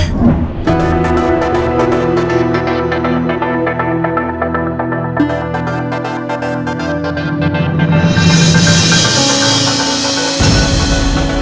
nah khalim seb lets go